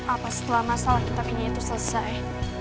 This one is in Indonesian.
apa setelah masalah kita kini itu selesai